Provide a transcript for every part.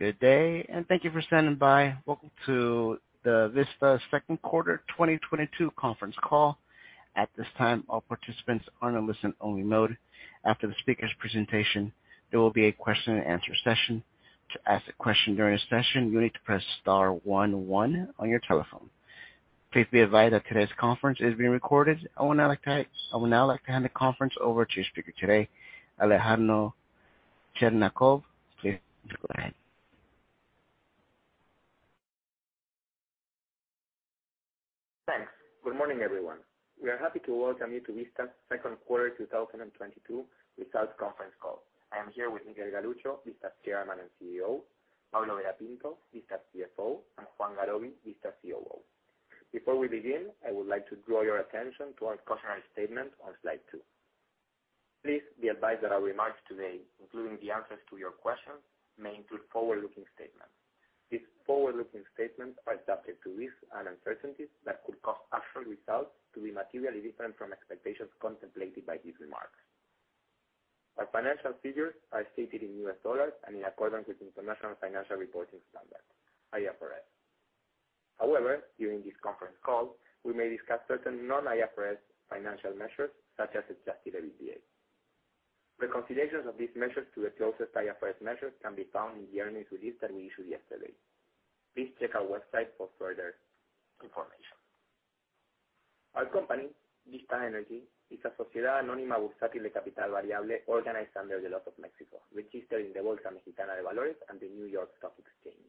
Good day, and thank you for standing by. Welcome to the Vista second quarter 2022 conference call. At this time, all participants are in a listen only mode. After the speaker's presentation, there will be a question and answer session. To ask a question during the session, you need to press star one one on your telephone. Please be advised that today's conference is being recorded. I would now like to hand the conference over to your speaker today, Alejandro Chernacov. Please go ahead. Thanks. Good morning, everyone. We are happy to welcome you to Vista's second quarter 2022 results conference call. I am here with Miguel Galuccio, Vista's Chairman and CEO, Pablo Vera Pinto, Vista's CFO, and Juan Garoby, Vista's COO. Before we begin, I would like to draw your attention to our cautionary statement on slide 2. Please be advised that our remarks today, including the answers to your questions, may include forward-looking statements. These forward-looking statements are subject to risks and uncertainties that could cause actual results to be materially different from expectations contemplated by these remarks. Our financial figures are stated in U.S. dollars and in accordance with International Financial Reporting Standards, IFRS. However, during this conference call, we may discuss certain non-IFRS financial measures, such as adjusted EBITDA. Reconciliations of these measures to the closest IFRS measures can be found in the earnings release that we issued yesterday. Please check our website for further information. Our company, Vista Energy, is a sociedad anónima bursátil de capital variable organized under the laws of Mexico, registered in the Bolsa Mexicana de Valores and the New York Stock Exchange.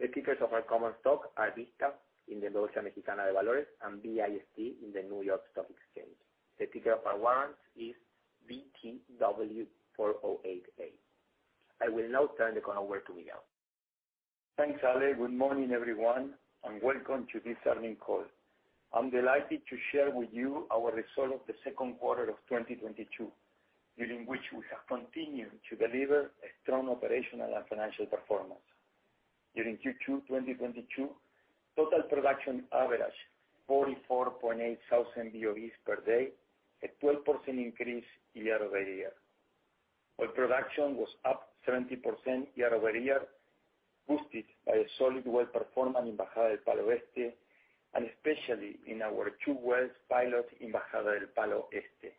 The tickers of our common stock are Vista in the Bolsa Mexicana de Valores and VIST in the New York Stock Exchange. The ticker of our warrants is VTW408A. I will now turn the call over to Miguel. Thanks, Ale. Good morning, everyone, and welcome to this earnings call. I'm delighted to share with you our results of the second quarter of 2022, during which we have continued to deliver a strong operational and financial performance. During Q2 2022, total production averaged 44.8 thousand BOE per day, a 12% increase year-over-year. Oil production was up 70% year-over-year, boosted by a solid well performance in Bajada del Palo Este, and especially in our two wells pilot in Bajada del Palo Este.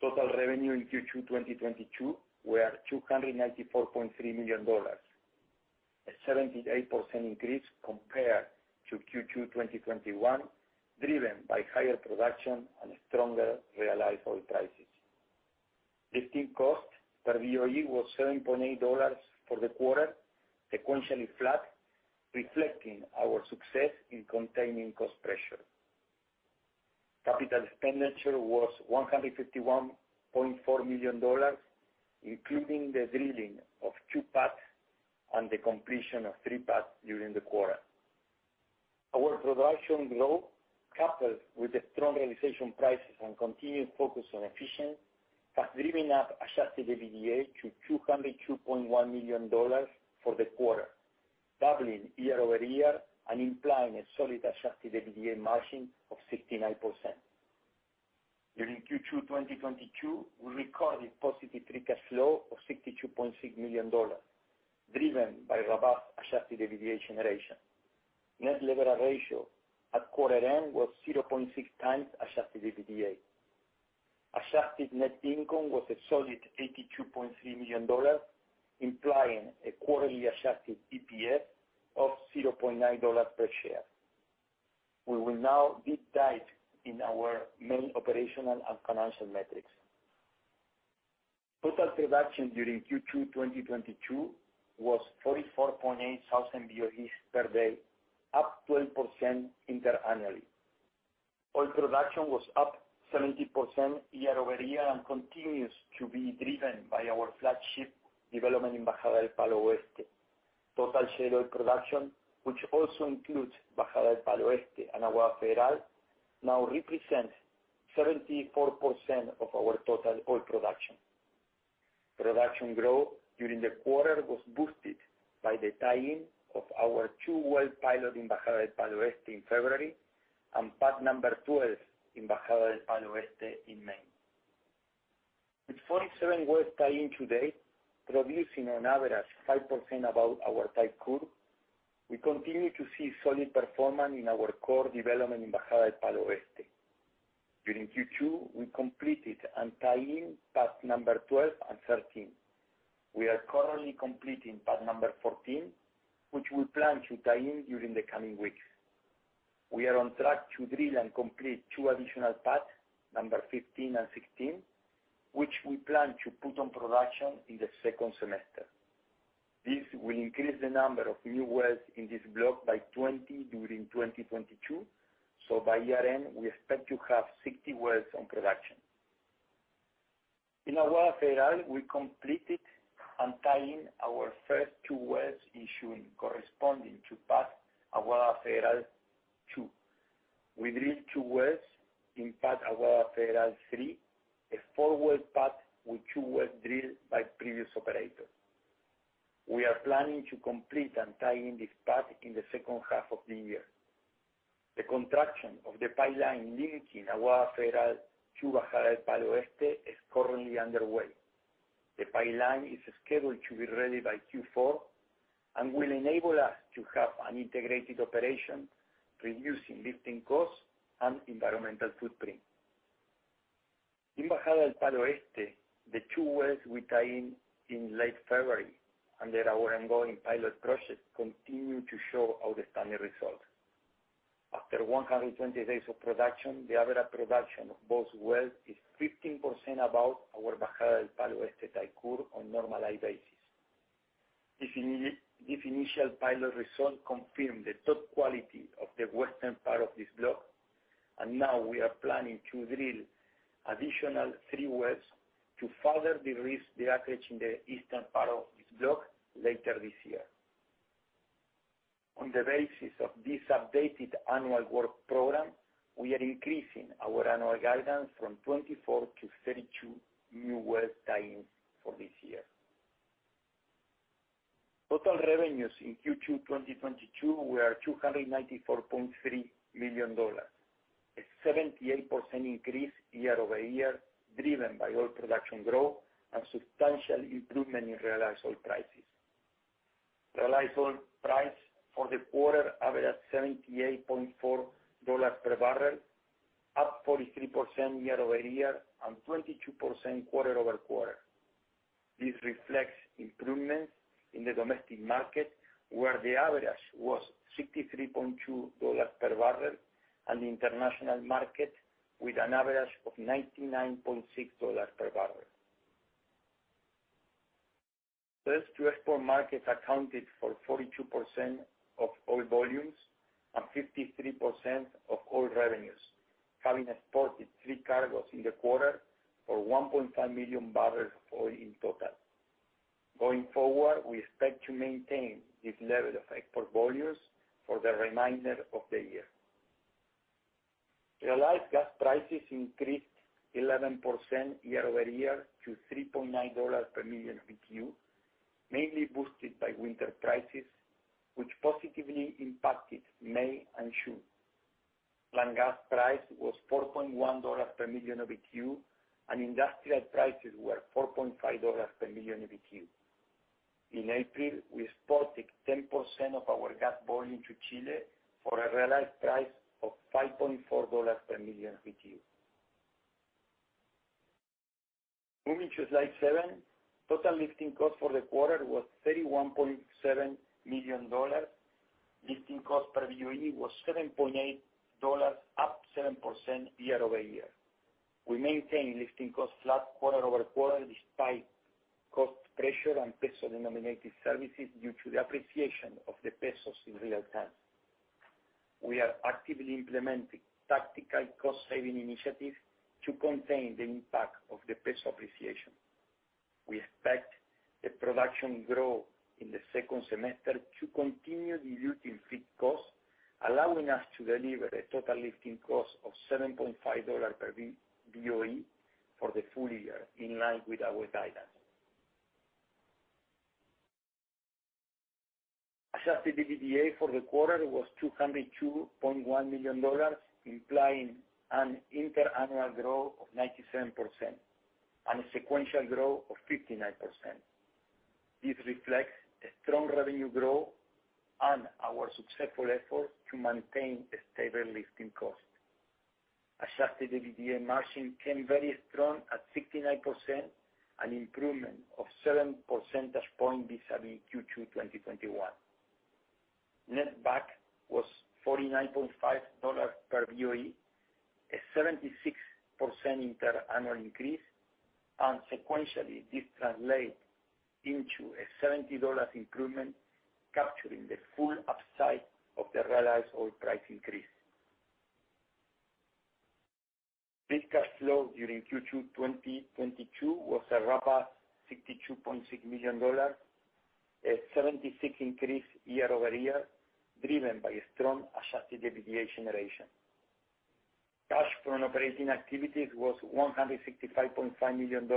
Total revenue in Q2 2022 were $294.3 million, a 78% increase compared to Q2 2021, driven by higher production and stronger realized oil prices. Lifting cost per BOE was $7.8 for the quarter, sequentially flat, reflecting our success in containing cost pressure. Capital expenditure was $151.4 million, including the drilling of two pads and the completion of three pads during the quarter. Our production growth, coupled with the strong realization prices and continued focus on efficiency, has driven up adjusted EBITDA to $202.1 million for the quarter, doubling year-over-year and implying a solid adjusted EBITDA margin of 69%. During Q2 2022, we recorded positive free cash flow of $62.6 million, driven by robust adjusted EBITDA generation. Net leverage ratio at quarter end was 0.6 times adjusted EBITDA. Adjusted net income was a solid $82.3 million, implying a quarterly adjusted EPS of $0.9 per share. We will now deep dive in our main operational and financial metrics. Total production during Q2 2022 was 44.8 thousand BOEs per day, up 12% interannually. Oil production was up 70% year over year and continues to be driven by our flagship development in Bajada del Palo Este. Total shale oil production, which also includes Bajada del Palo Este and Aguada Federal, now represents 74% of our total oil production. Production growth during the quarter was boosted by the tie-in of our 2-well pilot in Bajada del Palo Este in February and pad number 12 in Bajada del Palo Este in May. With 47 wells tied in to date, producing on average 5% above our type curve, we continue to see solid performance in our core development in Bajada del Palo Este. During Q2, we completed and tied in pad number 12 and 13. We are currently completing pad number 14, which we plan to tie in during the coming weeks. We are on track to drill and complete two additional pads, number 15 and 16, which we plan to put on production in the second semester. This will increase the number of new wells in this block by 20 during 2022, so by year-end, we expect to have 60 wells on production. In Aguada Federal, we completed and tied in our first two wells in 7 corresponding to pad Aguada Federal 2. We drilled 2 wells in pad Aguada Federal 3, a 4-well pad with 2 wells drilled by previous operators. We are planning to complete and tie in this pad in the second half of the year. The construction of the pipeline linking Aguada Federal to Bajada del Palo Este is currently underway. The pipeline is scheduled to be ready by Q4 and will enable us to have an integrated operation, reducing lifting costs and environmental footprint. In Bajada del Palo Este, the two wells we tie in in late February under our ongoing pilot project continue to show outstanding results. After 120 days of production, the average production of both wells is 15% above our Bajada del Palo Este type curve on normalized basis. This initial pilot result confirm the top quality of the western part of this block, and now we are planning to drill additional 3 wells to further de-risk the acreage in the eastern part of this block later this year. On the basis of this updated annual work program, we are increasing our annual guidance from 24 to 32 new wells tie-ins for this year. Total revenues in Q2 2022 were $294.3 million, a 78% increase year-over-year, driven by oil production growth and substantial improvement in realized oil prices. Realized oil price for the quarter averaged $78.4 per barrel, up 43% year-over-year and 22% quarter-over-quarter. This reflects improvements in the domestic market, where the average was $63.2 per barrel, and the international market with an average of $99.6 per barrel. Sales to export markets accounted for 42% of oil volumes and 53% of oil revenues, having exported 3 cargoes in the quarter for 1.5 million barrels of oil in total. Going forward, we expect to maintain this level of export volumes for the remainder of the year. Realized gas prices increased 11% year-over-year to $3.9 per million BTU, mainly boosted by winter prices, which positively impacted May and June. Plant gas price was $4.1 per million BTU and industrial prices were $4.5 per million BTU. In April, we exported 10% of our gas volume to Chile for a realized price of $5.4 per million BTU. Moving to slide 7. Total lifting cost for the quarter was $31.7 million. Lifting cost per BOE was $7.8, up 7% year-over-year. We maintain lifting cost flat quarter-over-quarter, despite cost pressure on peso-denominated services due to the appreciation of the pesos in real terms. We are actively implementing tactical cost-saving initiatives to contain the impact of the peso appreciation. We expect the production growth in the second semester to continue reducing lifting costs, allowing us to deliver a total lifting cost of $7.5 per BOE for the full year, in line with our guidance. Adjusted EBITDA for the quarter was $202.1 million, implying an inter-annual growth of 97% and a sequential growth of 59%. This reflects a strong revenue growth on our successful effort to maintain a stable lifting cost. Adjusted EBITDA margin came very strong at 69%, an improvement of seven percentage points vis-à-vis Q2 2021. Netback was $49.5 per BOE, a 76% inter-annual increase, and sequentially, this translate into a $70 improvement, capturing the full upside of the realized oil price increase. Free cash flow during Q2 2022 was a robust $62.6 million, a 76% increase year-over-year, driven by a strong adjusted EBITDA generation. Cash from operating activities was $165.5 million,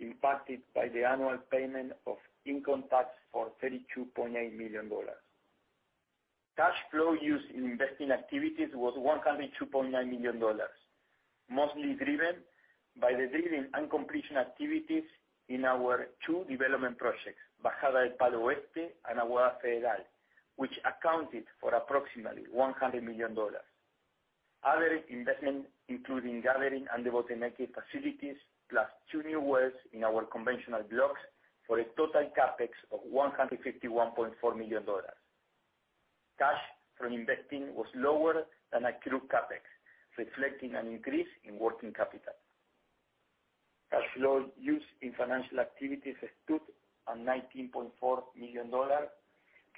impacted by the annual payment of income tax for $32.8 million. Cash flow used in investing activities was $102.9 million, mostly driven by the drilling and completion activities in our two development projects, Bajada del Palo Este and Aguada Federal, which accounted for approximately $100 million. Other investment, including gathering and dehydration facilities plus two new wells in our conventional blocks for a total CapEx of $151.4 million. Cash from investing was lower than accrued CapEx, reflecting an increase in working capital. Cash flow used in financial activities stood at $19.4 million,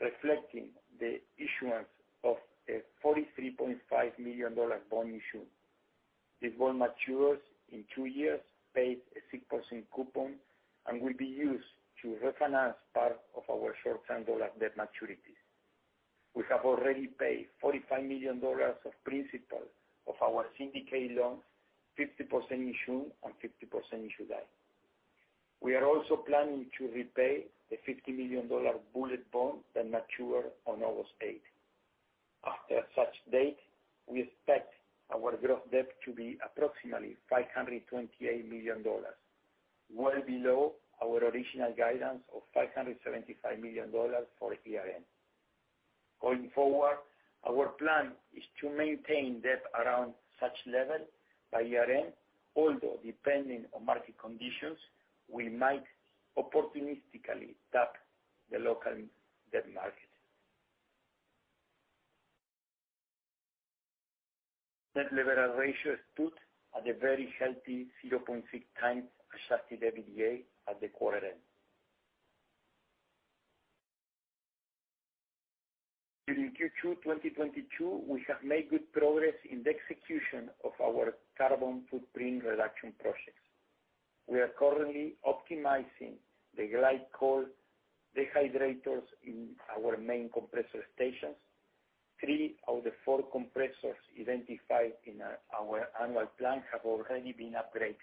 reflecting the issuance of a $43.5 million bond issue. This bond matures in 2 years, pays a 6% coupon, and will be used to refinance part of our short-term dollar debt maturities. We have already paid $45 million of principal of our syndicate loans, 50% in June and 50% in July. We are also planning to repay the $50 million bullet bond that mature on August 8. After such date, we expect our gross debt to be approximately $528 million, well below our original guidance of $575 million for year end. Going forward, our plan is to maintain debt around such level by year end, although depending on market conditions, we might opportunistically tap the local debt market. Net leverage ratio stood at a very healthy 0.6x adjusted EBITDA at the quarter end. During Q2 2022, we have made good progress in the execution of our carbon footprint reduction projects. We are currently optimizing the glycol dehydrators in our main compressor stations. Three of the four compressors identified in our annual plan have already been upgraded.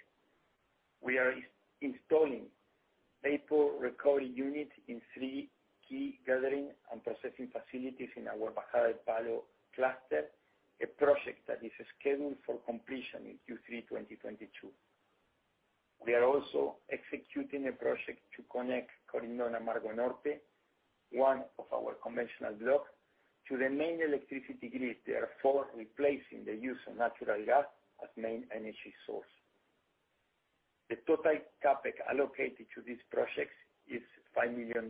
We are installing vapor recovery units in three key gathering and processing facilities in our Bajada del Palo cluster, a project that is scheduled for completion in Q3 2022. We are also executing a project to connect Coirón Amargo Norte, one of our conventional blocks, to the main electricity grid, therefore replacing the use of natural gas as main energy source. The total CapEx allocated to these projects is $5 million.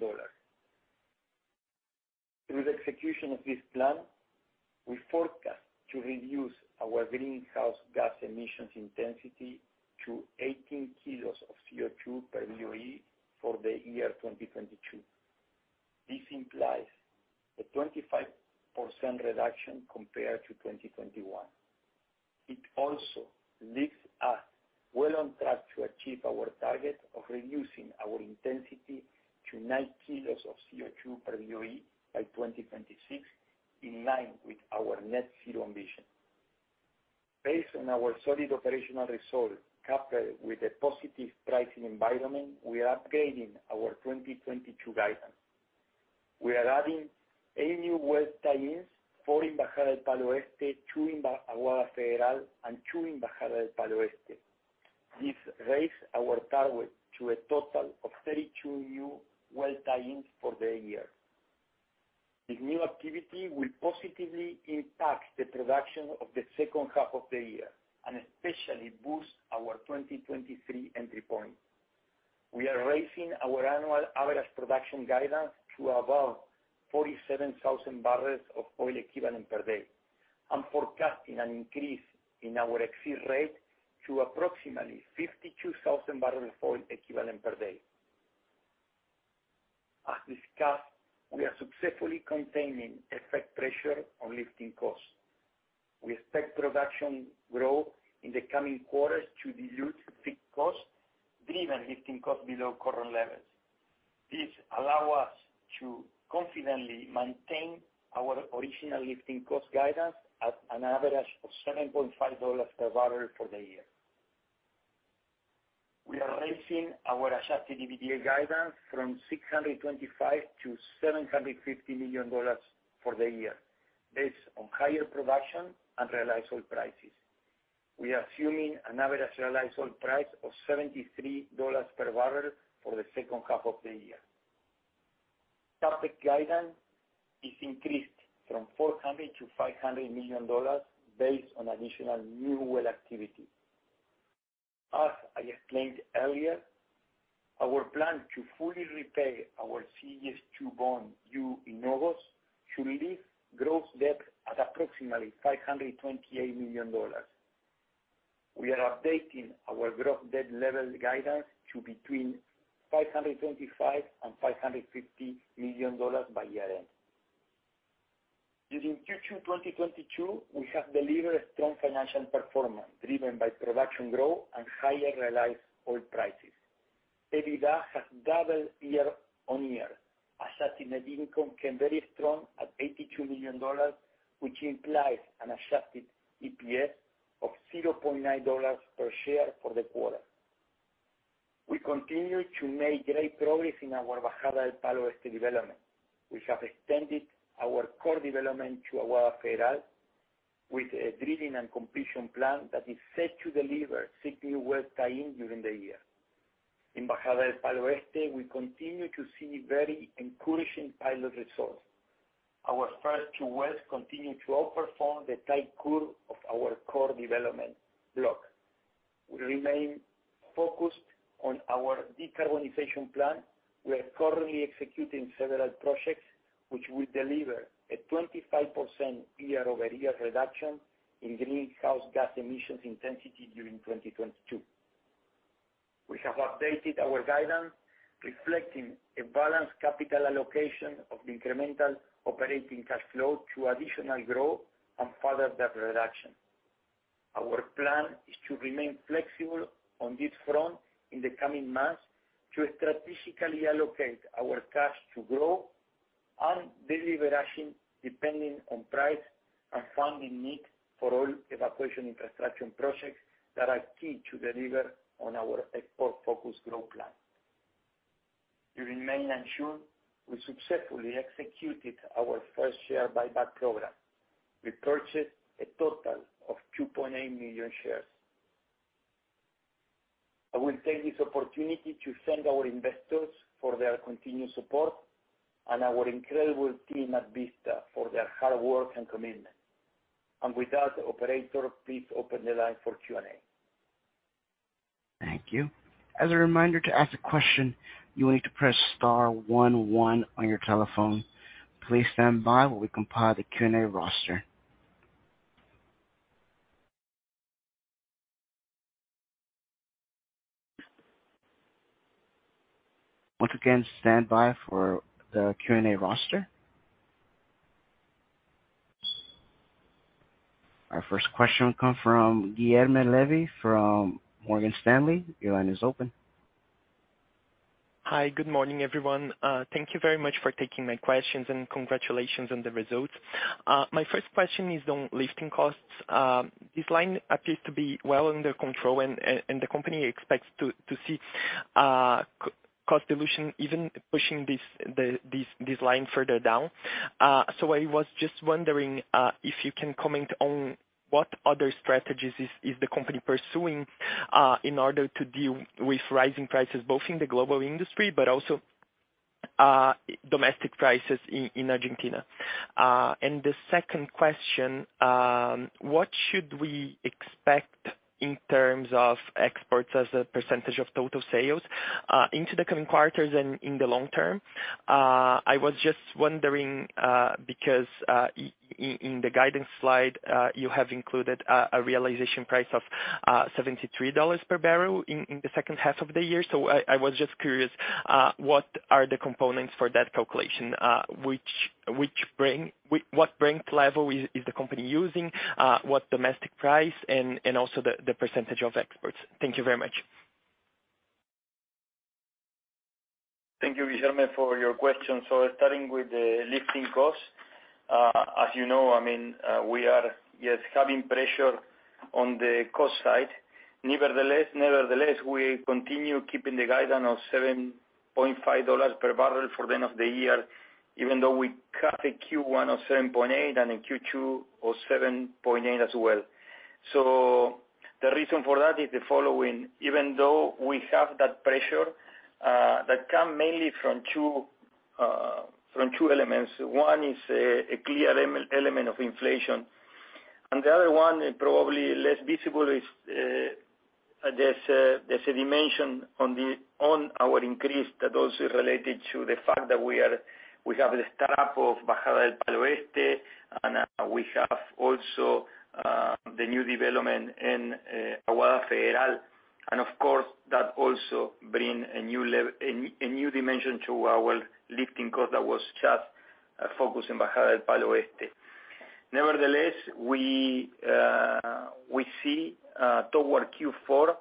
Through the execution of this plan, we forecast to reduce our greenhouse gas emissions intensity to 18 kilos of CO2 per BOE for the year 2022. This implies a 25% reduction compared to 2021. It also leaves us well on track to achieve our target of reducing our intensity to 9 kilos of CO2 per BOE by 2026, in line with our net zero ambition. Based on our solid operational results, coupled with a positive pricing environment, we are upgrading our 2022 guidance. We are adding 8 new well tie-ins, 4 in Bajada del Palo Este, 2 in Aguada Federal, and 2 in Bajada del Palo Este. This raises our target to a total of 32 new well tie-ins for the year. This new activity will positively impact the production of the second half of the year, and especially boost our 2023 entry point. We are raising our annual average production guidance to above 47,000 barrels of oil equivalent per day and forecasting an increase in our exit rate to approximately 52,000 barrels of oil equivalent per day. As discussed, we are successfully containing cost pressure on lifting costs. We expect production growth in the coming quarters to dilute fixed costs, driving lifting costs below current levels. This allows us to confidently maintain our original lifting cost guidance at an average of $7.5 per barrel for the year. We are raising our adjusted EBITDA guidance from $625 million-$750 million for the year, based on higher production and realized oil prices. We are assuming an average realized oil price of $73 per barrel for the second half of the year. CapEx guidance is increased from $400-$500 million based on additional new well activity. As I explained earlier, our plan to fully repay our Serie 2 bond due in August should leave gross debt at approximately $528 million. We are updating our gross debt level guidance to between $525 million and $550 million by year end. During Q2 2022, we have delivered a strong financial performance, driven by production growth and higher realized oil prices. EBITDA has doubled year-on-year. Adjusted net income came very strong at $82 million, which implies an adjusted EPS of $0.9 per share for the quarter. We continue to make great progress in our Bajada del Palo Este development. We have extended our core development to Aguada Federal with a drilling and completion plan that is set to deliver 60 well tie-in during the year. In Bajada del Palo Este, we continue to see very encouraging pilot results. Our first two wells continue to outperform the type curve of our core development block. We remain focused on our decarbonization plan. We are currently executing several projects which will deliver a 25% year-over-year reduction in greenhouse gas emissions intensity during 2022. We have updated our guidance, reflecting a balanced capital allocation of incremental operating cash flow to additional growth and further debt reduction. Our plan is to remain flexible on this front in the coming months to strategically allocate our cash to grow. Deleveraging depending on price and funding need for all evacuation infrastructure projects that are key to deliver on our export-focused growth plan. During May and June, we successfully executed our first share buyback program. We purchased a total of 2.8 million shares. I will take this opportunity to thank our investors for their continued support, and our incredible team at Vista for their hard work and commitment. With that, operator, please open the line for Q&A. Thank you. As a reminder, to ask a question, you will need to press star one one on your telephone. Please stand by while we compile the Q&A roster. Once again, stand by for the Q&A roster. Our first question come from Guilherme Levy from Morgan Stanley. Your line is open. Hi, good morning, everyone. Thank you very much for taking my questions, and congratulations on the results. My first question is on lifting costs. This line appears to be well under control and the company expects to see cost dilution even pushing this line further down. So I was just wondering if you can comment on what other strategies is the company pursuing in order to deal with rising prices, both in the global industry, but also domestic prices in Argentina? And the second question, what should we expect in terms of exports as a percentage of total sales into the coming quarters and in the long term? I was just wondering, because in the guidance slide, you have included a realized price of $73 per barrel in the second half of the year. I was just curious, what are the components for that calculation? What Brent level is the company using? What domestic price and also the percentage of exports. Thank you very much. Thank you, Guilherme, for your questions. Starting with the lifting costs. As you know, I mean, we are having pressure on the cost side. Nevertheless, we continue keeping the guidance of $7.5 per barrel for the end of the year, even though we cut a Q1 of $7.8 and in Q2 of $7.8 as well. The reason for that is the following. Even though we have that pressure, that comes mainly from two elements, one is a clear element of inflation. And the other one, probably less visible is, there's a dimension on our increase that also related to the fact that we are, we have the start-up of Bajada del Palo Este, and we have also the new development in Aguada Federal. Of course, that also bring a new dimension to our lifting cost that was just focused in Bajada del Palo Este. Nevertheless, we see toward Q4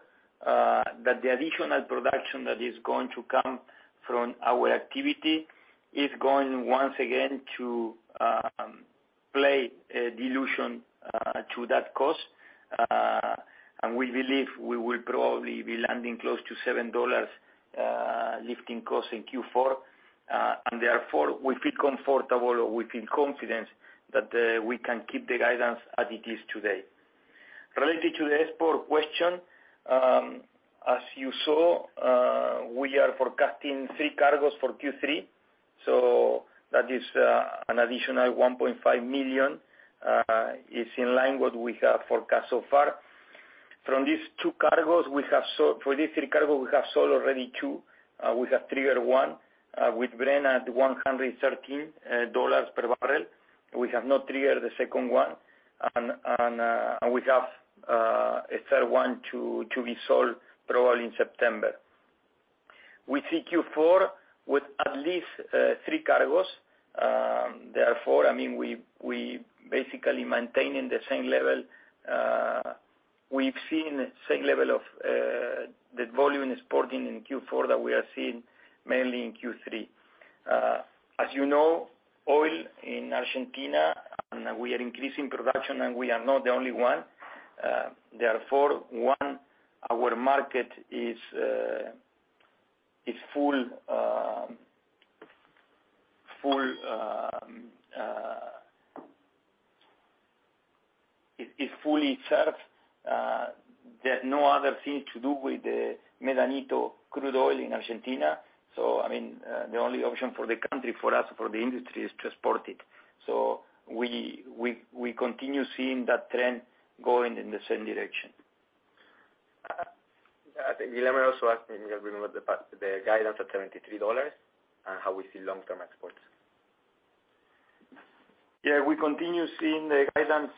that the additional production that is going to come from our activity is going once again to play a dilution to that cost. We believe we will probably be landing close to $7 lifting costs in Q4. Therefore, we feel comfortable or we feel confident that we can keep the guidance as it is today. Related to the export question, as you saw, we are forecasting 3 cargos for Q3, so that is an additional 1.5 million is in line with what we have forecast so far. For these three cargoes, we have sold already two. We have triggered one with Brent at $113 per barrel. We have not triggered the second one. We have a third one to be sold probably in September. We see Q4 with at least three cargoes. Therefore, I mean, we basically maintaining the same level. We've seen same level of the volume exporting in Q4 that we are seeing mainly in Q3. As you know, oil in Argentina, and we are increasing production, and we are not the only one. Therefore, our market is full, is fully served. There's no other thing to do with the Medanito crude oil in Argentina. I mean, the only option for the country, for us, for the industry is to export it. We continue seeing that trend going in the same direction. I think Guilherme also asked me to remember the guidance of $73 and how we see long-term exports. Yeah, we continue seeing the guidance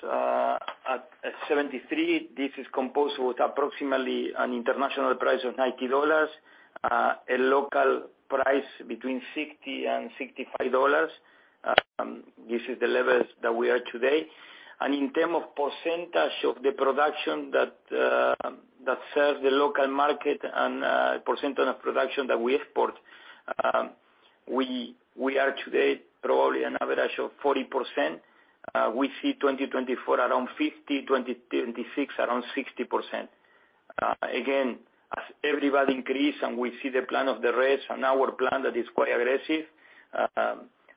at $73. This is composed with approximately an international price of $90, a local price between $60-$65. This is the levels that we are today. In terms of percentage of the production that serves the local market and percentage of production that we export, we are today probably an average of 40%. We see 2024 around 50, 2026 around 60%. Again, as everybody increases and we see the plan of the rates and our plan that is quite aggressive,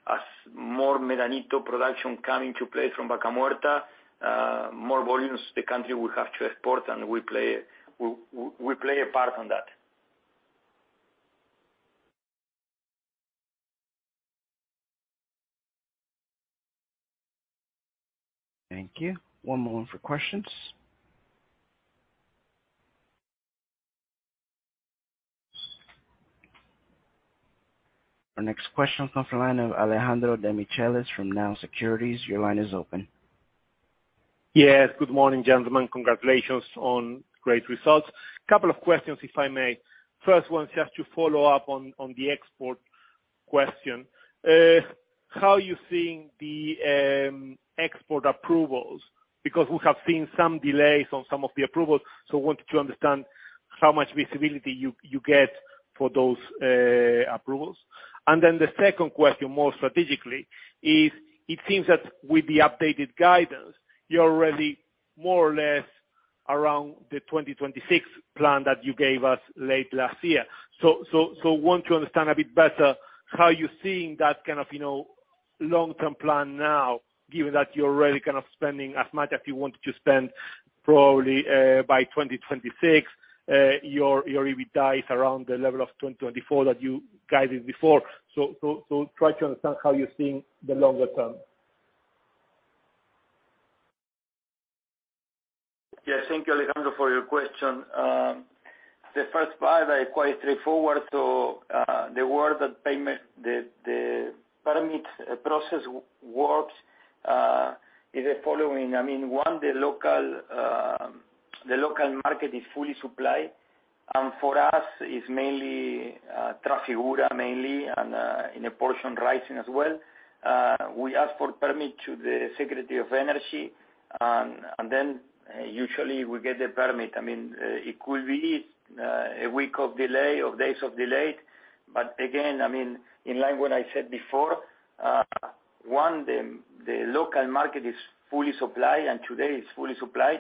as more Medanito production comes into play from Vaca Muerta, more volumes the country will have to export. We play a part on that. Thank you. One moment for questions. Our next question comes from the line of Alejandro Demichelis from Jefferies. Your line is open. Yes, good morning, gentlemen. Congratulations on great results. Couple of questions if I may. First one is just to follow up on the export question. How are you seeing the export approvals? Because we have seen some delays on some of the approvals, so wanted to understand how much visibility you get for those approvals. Then the second question, more strategically is, it seems that with the updated guidance, you're already more or less around the 2026 plan that you gave us late last year. Want to understand a bit better how you're seeing that kind of, you know, long-term plan now, given that you're already kind of spending as much as you wanted to spend probably by 2026, your EBITDA is around the level of 2024 that you guided before. Try to understand how you're seeing the longer term. Yes, thank you, Alejandro, for your question. The first part are quite straightforward. The way the permit process works is the following. I mean, the local market is fully supplied, and for us it's mainly Trafigura mainly and in a portion Raízen as well. We ask for permit to the Secretariat of Energy and then usually we get the permit. I mean, it could be a week of delay or days of delay. Again, I mean, in line with what I said before, the local market is fully supplied and today it's fully supplied.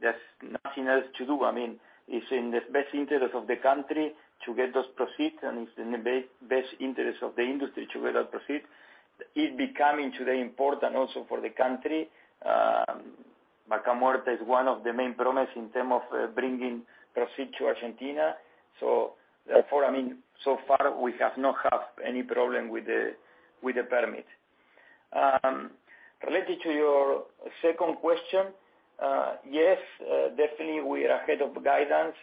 There's nothing else to do. I mean, it's in the best interest of the country to get those proceeds, and it's in the best interest of the industry to get those proceeds. It's becoming today important also for the country. Vaca Muerta is one of the main promises in terms of bringing proceeds to Argentina. I mean, so far we have not had any problem with the permit. Related to your second question, yes, definitely we are ahead of guidance.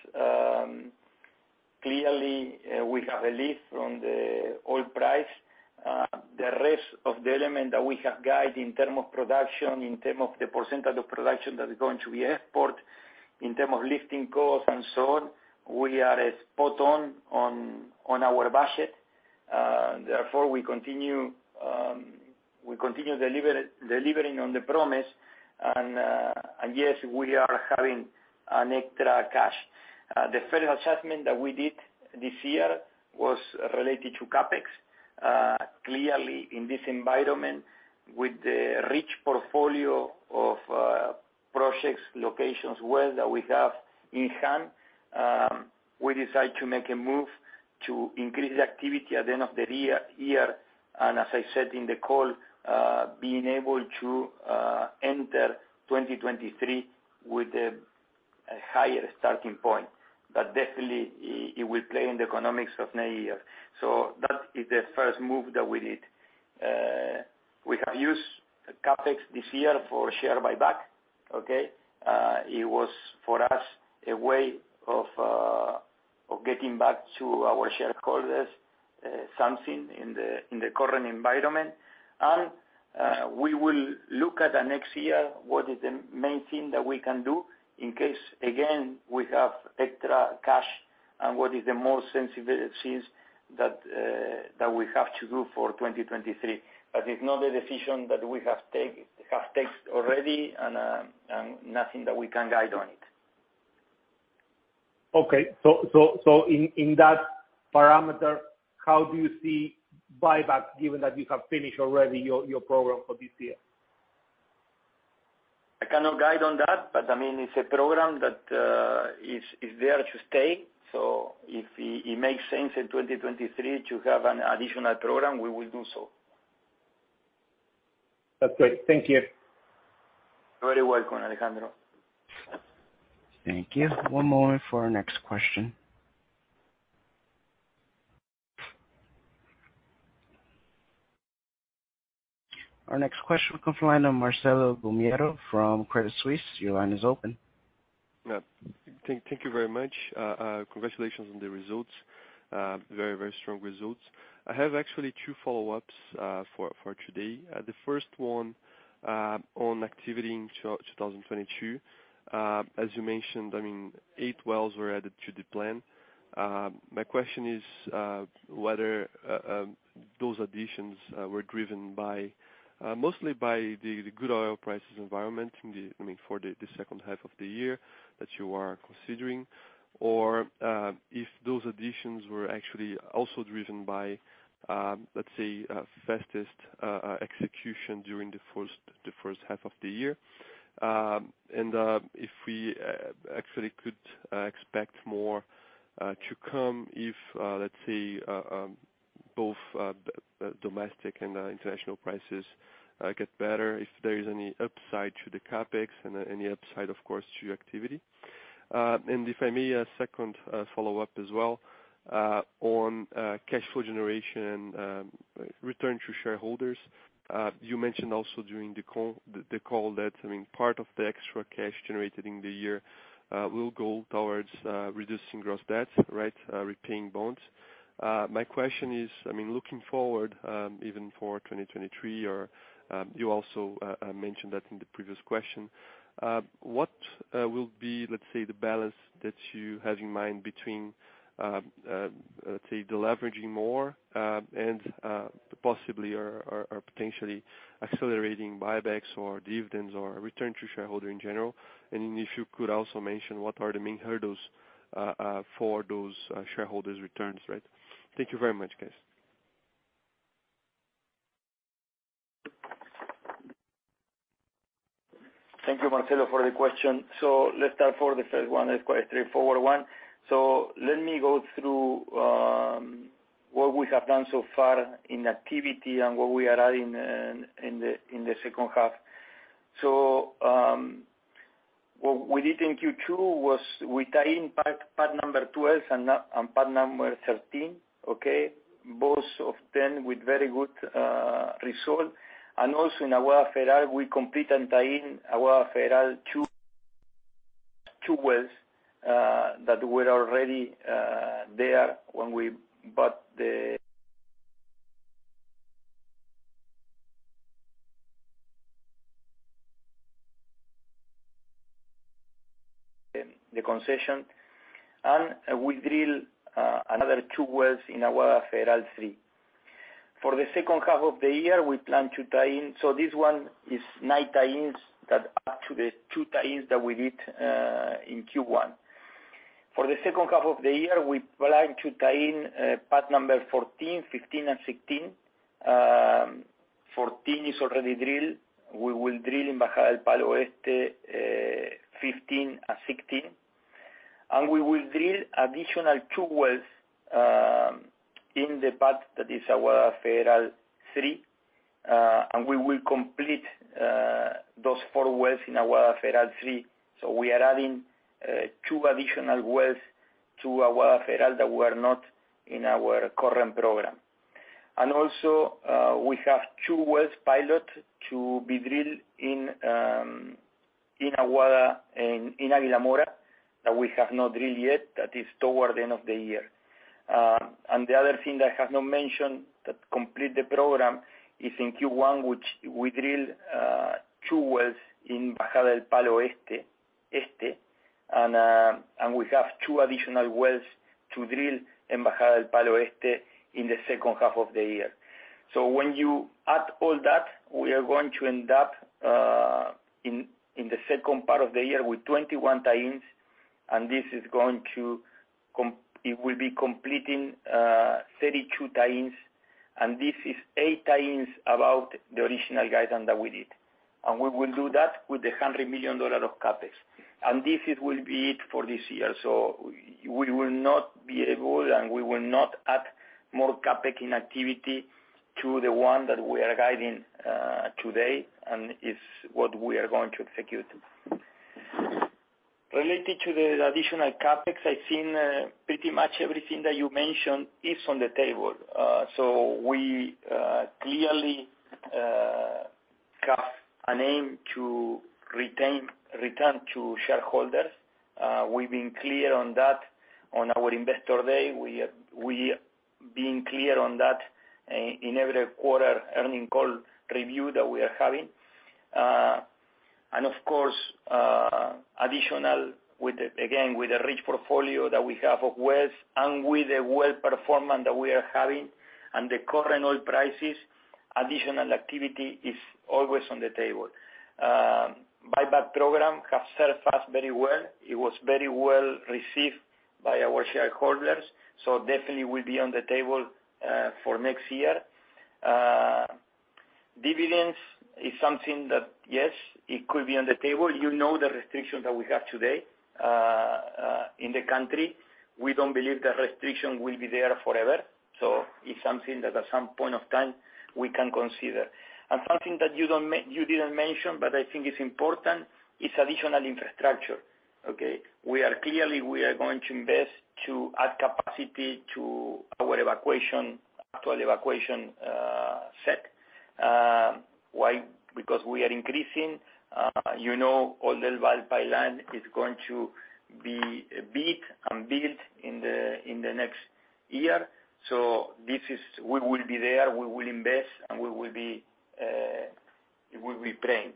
Clearly, we have a lift from the oil price. The rest of the elements that we have guided in terms of production, in terms of the percentage of production that is going to be exported, in terms of lifting costs and so on, we are spot on our budget. Therefore we continue delivering on the promise. Yes, we are having extra cash. The federal assessment that we did this year was related to CapEx. Clearly in this environment with the rich portfolio of projects, locations, wells that we have in hand, we decide to make a move to increase the activity at the end of the year. As I said in the call, being able to enter 2023 with a higher starting point. Definitely it will play in the economics of next year. That is the first move that we did. We have used CapEx this year for share buyback, okay? It was for us a way of getting back to our shareholders something in the current environment. We will look at the next year, what is the main thing that we can do in case, again, we have extra cash and what is the most sensitivities that we have to do for 2023. It's not a decision that we have taken already and nothing that we can guide on it. Okay. In that parameter, how do you see buyback given that you have finished already your program for this year? I cannot guide on that, but I mean, it's a program that is there to stay. If it makes sense in 2023 to have an additional program, we will do so. That's great. Thank you. You're very welcome, Alejandro. Thank you. One moment for our next question. Our next question will come from line of Marcelo Bomeo from Credit Suisse. Your line is open. Yeah. Thank you very much. Congratulations on the results. Very strong results. I have actually two follow-ups for today. The first one on activity in 2022. As you mentioned, I mean, eight wells were added to the plan. My question is whether those additions were driven by mostly by the good oil prices environment in the I mean, for the second half of the year that you are considering. Or if those additions were actually also driven by, let's say, fastest execution during the first half of the year. If we actually could expect more to come if, let's say, both domestic and international prices get better, if there is any upside to the CapEx and any upside of course to activity. If I may, a second follow-up as well on cash flow generation, return to shareholders. You mentioned also during the call that, I mean, part of the extra cash generated in the year will go towards reducing gross debts, right, repaying bonds. My question is, I mean, looking forward, even for 2023 or, you also mentioned that in the previous question, what will be, let's say, the balance that you have in mind between, let's say, deleveraging more, and possibly or potentially accelerating buybacks or dividends or return to shareholder in general? Then if you could also mention what are the main hurdles for those shareholders returns, right? Thank you very much, guys. Thank you, Marcelo, for the question. Let's start for the first one. It's quite a straightforward one. Let me go through what we have done so far in activity and what we are adding in the second half. What we did in Q2 was we tie in pad number 12 and pad number 13, okay? Both of them with very good result. Also in Aguada Federal, we complete and tie in Aguada Federal 2 wells that were already there when we bought the concession. We drill another 2 wells in Aguada Federal 3. For the second half of the year, we plan to tie in. This one is 9 tie-ins that add to the 2 tie-ins that we did in Q1. For the second half of the year, we plan to tie in pad number 14, 15, and 16. 14 is already drilled. We will drill in Bajada del Palo Este 15 and 16. We will drill additional 2 wells in the pad that is Aguada Federal 3. We will complete those 4 wells in Aguada Federal 3. We are adding 2 additional wells to Aguada Federal that were not in our current program. Also, we have 2 pilot wells to be drilled in Aguada and in Águila Mora that we have not drilled yet, that is toward the end of the year. The other thing that I have not mentioned that complete the program is in Q1, which we drill 2 wells in Bajada del Palo Este. We have 2 additional wells to drill in Bajada del Palo Este in the second half of the year. When you add all that, we are going to end up in the second part of the year with 21 tie-ins, and it will be completing 32 tie-ins, and this is 8 tie-ins above the original guidance that we did. We will do that with $100 million of CapEx. This will be it for this year. We will not be able, and we will not add more CapEx or activity to the one that we are guiding today, and it's what we are going to execute. Related to the additional CapEx, I think pretty much everything that you mentioned is on the table. We clearly have an aim to return to shareholders. We've been clear on that on our investor day. We have been clear on that in every quarterly earnings call that we are having. Of course, additionally with the, again, with the rich portfolio that we have of wells and with the well performance that we are having and the current oil prices, additional activity is always on the table. Buyback program has served us very well. It was very well received by our shareholders, so definitely will be on the table for next year. Dividends is something that, yes, it could be on the table. You know, the restrictions that we have today in the country. We don't believe the restriction will be there forever, so it's something that at some point of time we can consider. Something that you didn't mention, but I think it's important, is additional infrastructure, okay? We are clearly going to invest to add capacity to our evacuation set. Why? Because we are increasing, Oldelval pipeline is going to be big and built in the next year. We will be there, we will invest, and it will be playing.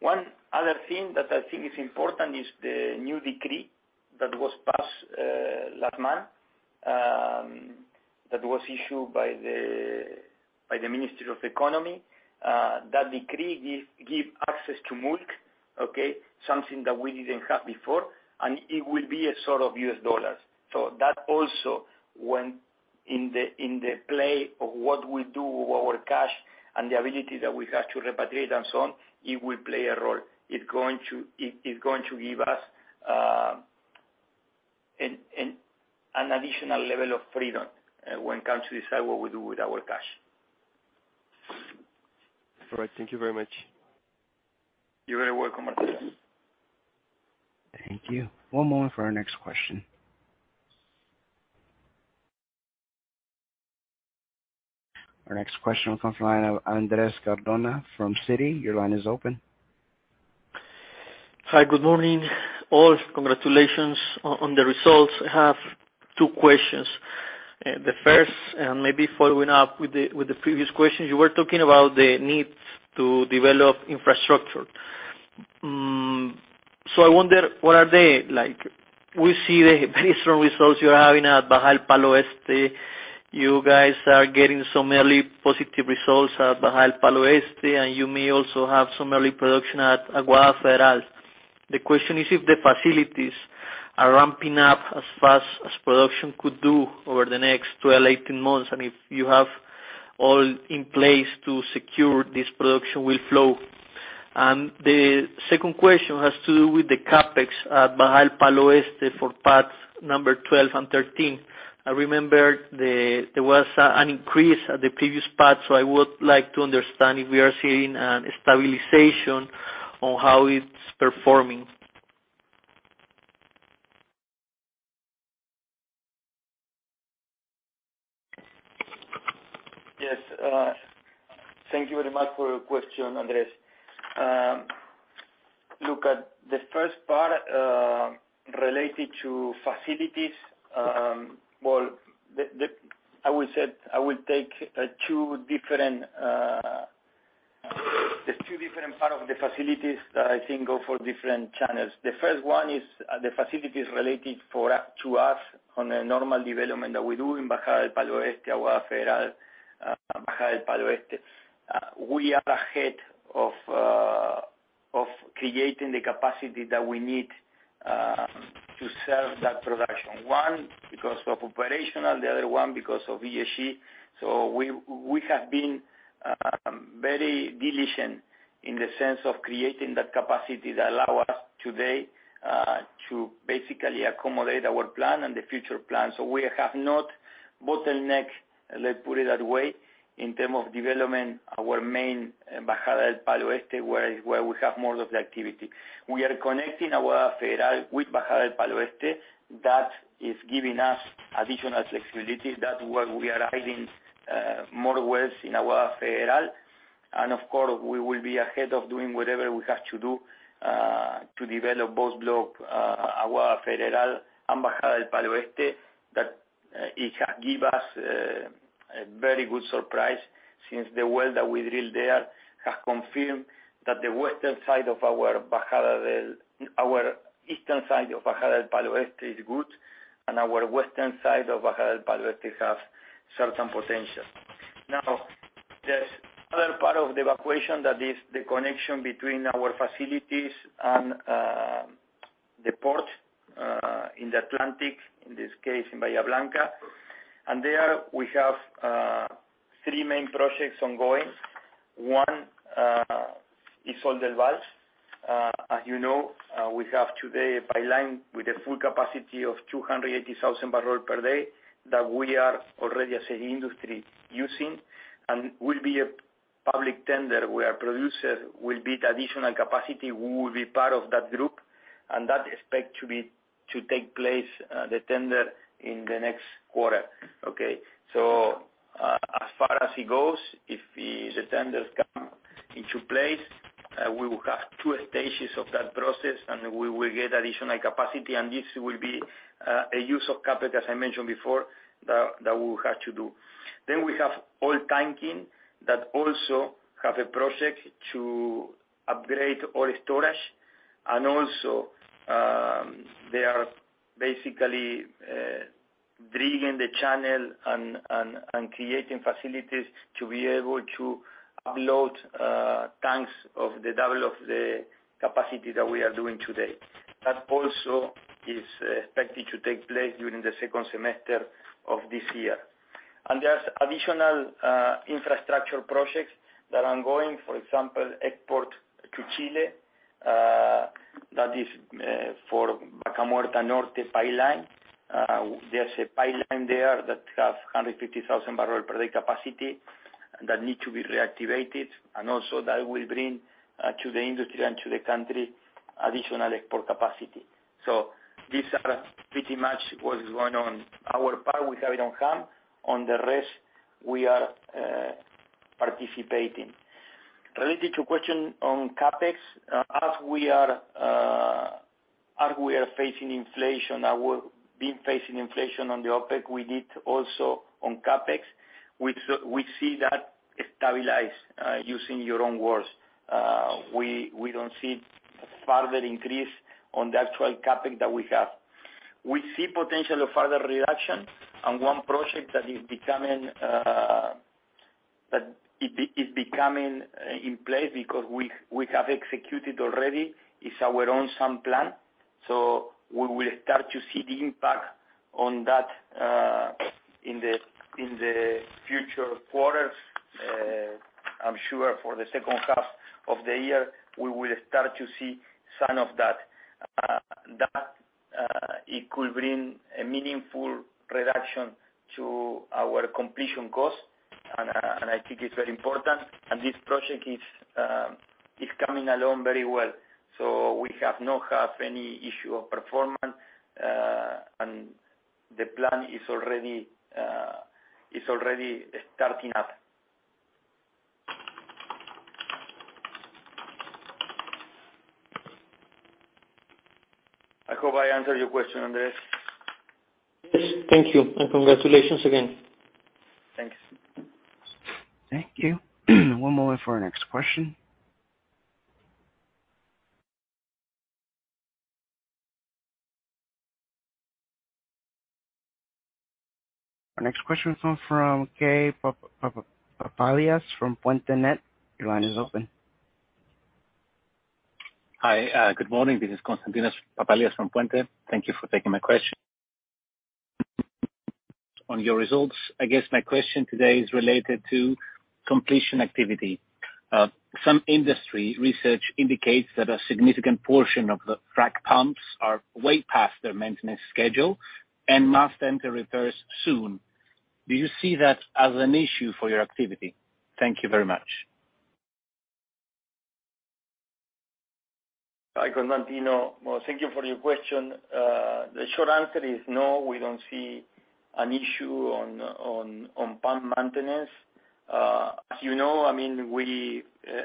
One other thing that I think is important is the new decree that was passed last month that was issued by the Ministry of Economy. That decree gives access to MULC, okay? Something that we didn't have before, and it will be a source of U.S. dollars. That also when in the play of what we do with our cash and the ability that we have to repatriate and so on, it will play a role. It's going to give us an additional level of freedom when it comes to decide what we do with our cash. All right. Thank you very much. You're very welcome, Bruno. Thank you. One moment for our next question. Our next question will come from the line of Andres Cardona from Citi. Your line is open. Hi, good morning, all. Congratulations on the results. I have two questions. The first, and maybe following up with the previous question, you were talking about the need to develop infrastructure. So I wonder what are they like? We see the very strong results you're having at Bajada del Palo Este. You guys are getting some early positive results at Bajada del Palo Este, and you may also have some early production at Aguada Federal. The question is if the facilities are ramping up as fast as production could do over the next 12, 18 months, and if you have all in place to secure this production will flow. The second question has to do with the CapEx at Bajada del Palo Este for pads number 12 and 13. I remember there was an increase at the previous pad, so I would like to understand if we are seeing a stabilization on how it's performing. Yes. Thank you very much for your question, Andrés. Look at the first part related to facilities. Well, I will take two different parts of the facilities that I think go for different channels. The first one is the facilities related to us on a normal development that we do in Bajada del Palo Este, Aguada Federal, Bajada del Palo Este. We are ahead of creating the capacity that we need to serve that production, one because of operational, the other one because of ESG. We have been very diligent in the sense of creating that capacity that allow us today to basically accommodate our plan and the future plan. We have not bottlenecked, let's put it that way, in terms of development our main Bajada del Palo Este, where we have more of the activity. We are connecting Aguada Federal with Bajada del Palo Este. That is giving us additional flexibility. That's why we are adding more wells in Aguada Federal. Of course, we will be ahead of doing whatever we have to do to develop both blocks, Aguada Federal and Bajada del Palo Este, that it has given us a very good surprise since the well that we drilled there has confirmed that our eastern side of Bajada del Palo Este is good, and our western side of Bajada del Palo Este has certain potential. Now, there's other part of the equation that is the connection between our facilities and the port in the Atlantic, in this case in Bahía Blanca. There we have three main projects ongoing. One is Sol de Valles. As you know, we have today a pipeline with a full capacity of 280,000 barrels per day that we are already as an industry using. Will be a public tender where producer will bid additional capacity, we will be part of that group. That's expected to take place, the tender in the next quarter. Okay? As far as it goes, if the tenders come into place, we will have two stages of that process, and we will get additional capacity, and this will be a use of CapEx, as I mentioned before, that we will have to do. We have Oiltanking that also have a project to upgrade oil storage. They are basically digging the channel and creating facilities to be able to upload tanks of the double of the capacity that we are doing today. That also is expected to take place during the second semester of this year. There's additional infrastructure projects that are ongoing, for example, export to Chile, that is, for Vaca Muerta Norte pipeline. There's a pipeline there that has 150,000 barrels per day capacity that needs to be reactivated, and also that will bring to the industry and to the country additional export capacity. These are pretty much what is going on. Our part, we have it on hand. On the rest, we are participating. Related to your question on CapEx, as we are and we are facing inflation, and we've been facing inflation on the OpEx. We need to also on CapEx, which we see that stabilize, using your own words. We don't see further increase on the actual CapEx that we have. We see potential of further reduction on one project that is becoming, that it's becoming in place because we have executed already is our own sand plan. We will start to see the impact on that in the future quarters. I'm sure for the second half of the year, we will start to see signs of that. It could bring a meaningful reduction to our completion cost, and I think it's very important. This project is coming along very well. We do not have any issue of performance, and the plant is already starting up. I hope I answered your question, Andres. Yes, thank you, and congratulations again. Thanks. Thank you. One moment for our next question. Our next question comes from Constantinos Papalias from Puente. Your line is open. Hi. Good morning. This is Constantinos Papalias from Puente. Thank you for taking my question. On your results, I guess my question today is related to completion activity. Some industry research indicates that a significant portion of the frac pumps are way past their maintenance schedule and must enter reverse soon. Do you see that as an issue for your activity? Thank you very much. Hi, Constantinos. Well, thank you for your question. The short answer is no, we don't see an issue on pump maintenance. As you know, I mean,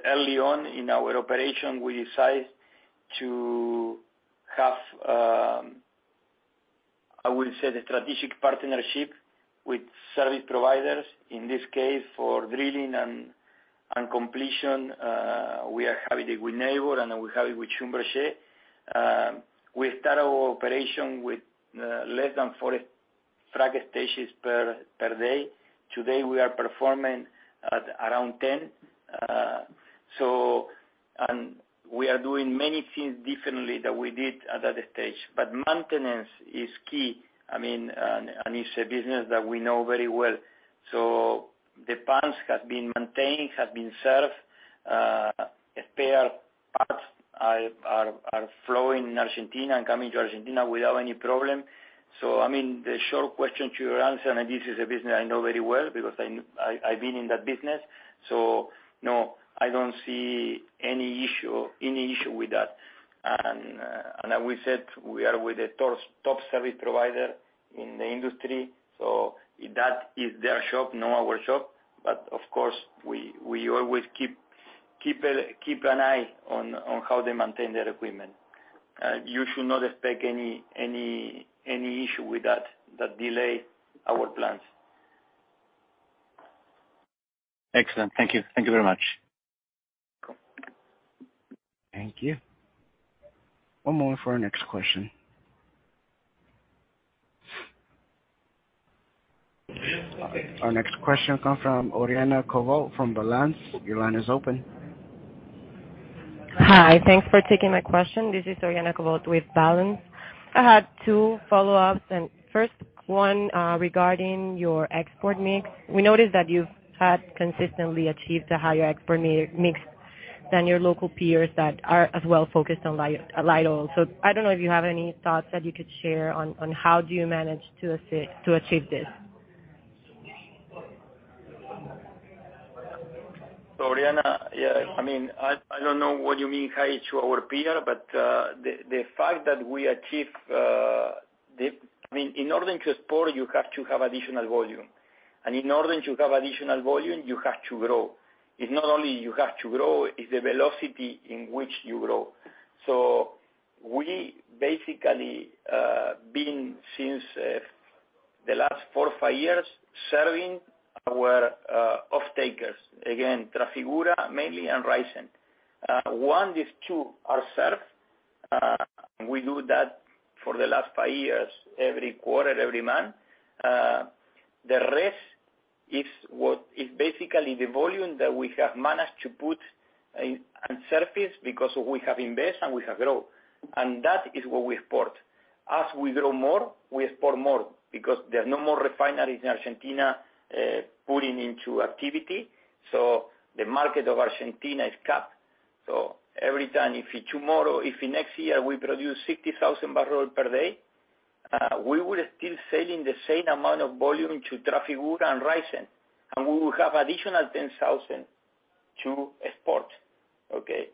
early on in our operation, we decide to have, I will say the strategic partnership with service providers. In this case, for drilling and completion, we are having it with Nabors and we have it with Schlumberger. We start our operation with less than 40 frac stages per day. Today, we are performing at around 10. We are doing many things differently than we did at that stage. Maintenance is key. I mean, it's a business that we know very well. The pumps have been maintained, have been served, spare parts are flowing in Argentina and coming to Argentina without any problem. I mean, the short question to your answer, and this is a business I know very well because I've been in that business. No, I don't see any issue with that. As we said, we are with the top service provider in the industry. That is their shop, not our shop. Of course, we always keep an eye on how they maintain their equipment. You should not expect any issue with that that delay our plans. Excellent. Thank you. Thank you very much. Thank you. One moment for our next question. Our next question comes from Oriana Covault from Balanz. Your line is open. Hi. Thanks for taking my question. This is Oriana Covault with Balanz. I had two follow-ups, and first one regarding your export mix. We noticed that you've had consistently achieved a higher export mix than your local peers that are as well focused on light oil. I don't know if you have any thoughts that you could share on how do you manage to achieve this. Oriana Covault, yeah, I mean, I don't know what you mean by higher than our peers, but the fact that we achieve. I mean, in order to export, you have to have additional volume. In order to have additional volume, you have to grow. It's not only you have to grow, it's the velocity in which you grow. We basically been since the last four or five years serving our offtakers. Again, Trafigura mainly and Raízen. Once these two are served. We do that for the last five years, every quarter, every month. The rest is what is basically the volume that we have managed to put in and surface because we have invest and we have grow. That is what we export. As we grow more, we export more because there are no more refineries in Argentina putting into activity. The market of Argentina is capped. Every time, if tomorrow, if next year we produce 60,000 barrels per day, we will still be selling the same amount of volume to Trafigura and Raízen, and we will have additional 10,000 to export. Okay.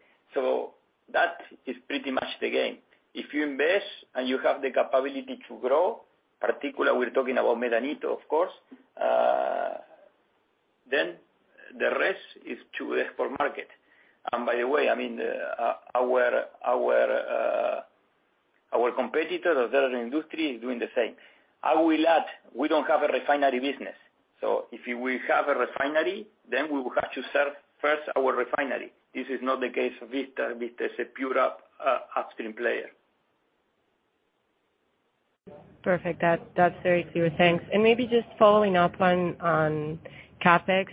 That is pretty much the game. If you invest and you have the capability to grow, particularly we're talking about Medanito, of course, then the rest is to export market. By the way, I mean, our competitor, the other industry is doing the same. I will add, we don't have a refinery business, so if we have a refinery, then we will have to serve first our refinery. This is not the case with us as a pure upstream player. Perfect. That's very clear. Thanks. Maybe just following up on CapEx.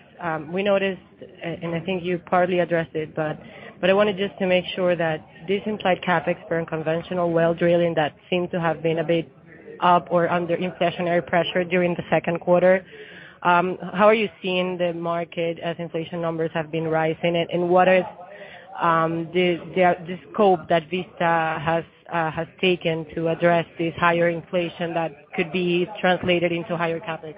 We noticed, and I think you've partly addressed it, but I wanted just to make sure that this implied CapEx for unconventional well drilling that seemed to have been a bit up under inflationary pressure during the second quarter. How are you seeing the market as inflation numbers have been rising? What is the scope that Vista has taken to address this higher inflation that could be translated into higher CapEx?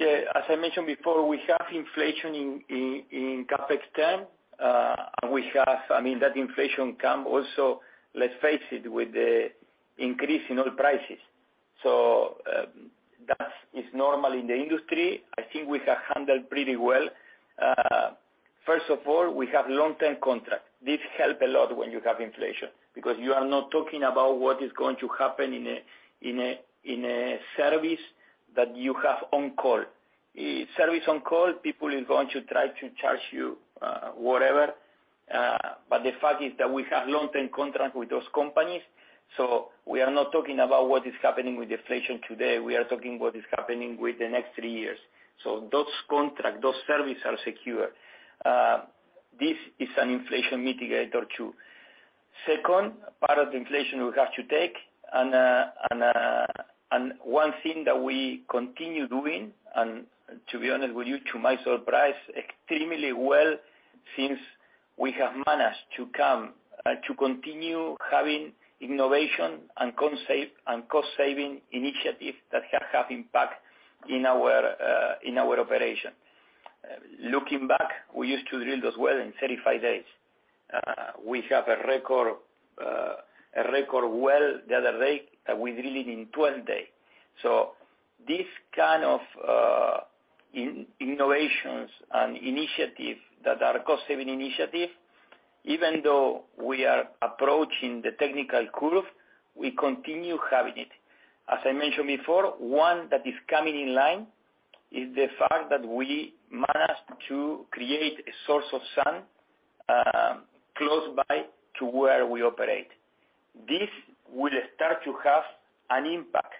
Yeah. As I mentioned before, we have inflation in CapEx term. I mean that inflation come also, let's face it, with the increase in oil prices. That is normal in the industry. I think we have handled pretty well. First of all, we have long-term contract. This help a lot when you have inflation, because you are not talking about what is going to happen in a service that you have on call. Service on call, people is going to try to charge you, whatever. The fact is that we have long-term contract with those companies, so we are not talking about what is happening with inflation today. We are talking what is happening with the next three years. Those contract, those service are secure. This is an inflation mitigator too. Second part of the inflation we have to take, and one thing that we continue doing, and to be honest with you, to my surprise, extremely well, since we have managed to continue having innovation and concept and cost saving initiative that have impact in our operation. Looking back, we used to drill those wells in 35 days. We have a record well the other day, we drill it in 12 days. This kind of innovations and initiative that are cost saving initiative, even though we are approaching the type curve, we continue having it. As I mentioned before, one that is coming in line is the fact that we managed to create a source of sand close by to where we operate. This will start to have an impact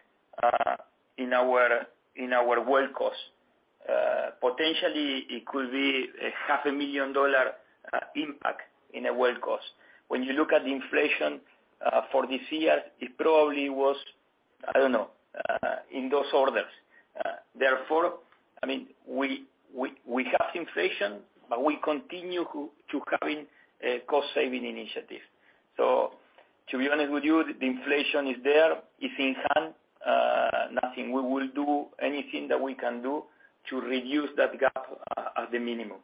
in our well cost. Potentially it could be $500,000 impact in a well cost. When you look at the inflation for this year, it probably was, I don't know, in those orders. Therefore, I mean, we have inflation, but we continue to having a cost saving initiative. To be honest with you, the inflation is there, it's in hand. We will do anything that we can do to reduce that gap at the minimum.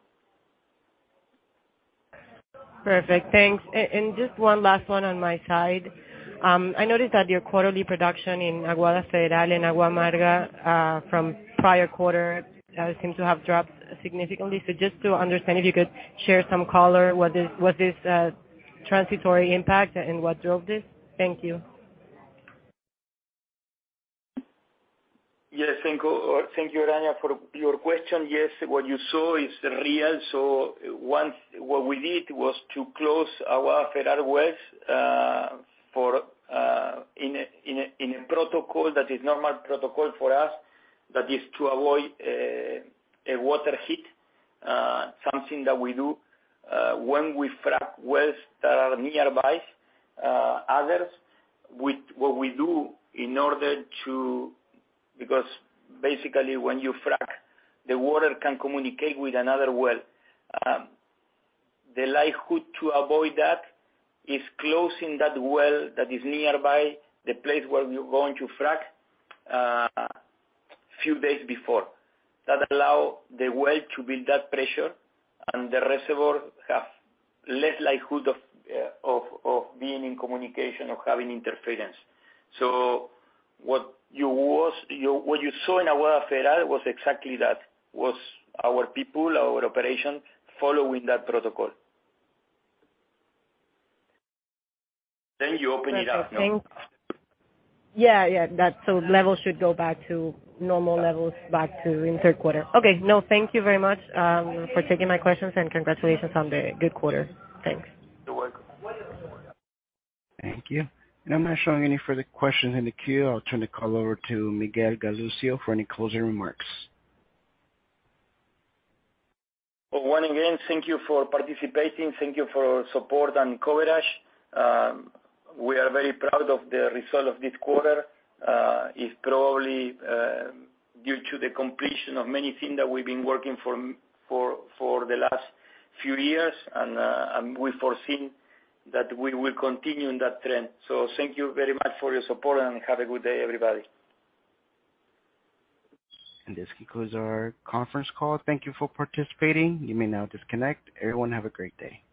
Perfect. Thanks. Just one last one on my side. I noticed that your quarterly production in Aguada Federal and Águila Mora from prior quarter seems to have dropped significantly. Just to understand, if you could share some color, was this a transitory impact and what drove this? Thank you. Yes. Thank you, Oriana, for your question. Yes, what you saw is real. What we did was to close our federal wells in a protocol that is normal protocol for us, that is to avoid a water hit. Something that we do when we frack wells that are nearby others. Because basically when you frack, the water can communicate with another well. The likelihood to avoid that is closing that well that is nearby the place where we are going to frack few days before. That allow the well to build that pressure and the reservoir have less likelihood of being in communication or having interference. What you saw in Aguada Federal was exactly that. With our people, our operation following that protocol. You open it up. Okay. Yeah, yeah. That's all. Levels should go back to normal levels in the third quarter. Okay. No, thank you very much for taking my questions and congratulations on the good quarter. Thanks. You're welcome. Thank you. I'm not showing any further questions in the queue. I'll turn the call over to Miguel Galuccio for any closing remarks. Well, once again, thank you for participating. Thank you for your support and coverage. We are very proud of the results of this quarter. It's probably due to the completion of many things that we've been working for the last few years. We foresee that we will continue in that trend. Thank you very much for your support and have a good day, everybody. This concludes our conference call. Thank you for participating. You may now disconnect. Everyone, have a great day.